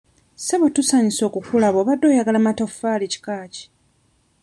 Ssebo tusanyuse okukulaba obadde oyagala matofaali kika ki?